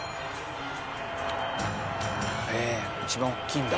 へえ一番大きいんだ。